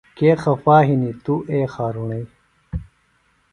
کے خفا ہِنیۡ توۡ اے خارُݨئیۡ۔